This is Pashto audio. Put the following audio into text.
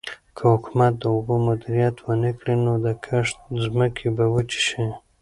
که حکومت د اوبو مدیریت ونکړي نو د کښت ځمکې به وچې شي.